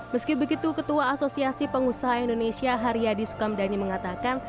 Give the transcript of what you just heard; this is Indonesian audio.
meski begitu ketua asosiasi pengusaha indonesia haryadi sukamdhani mengatakan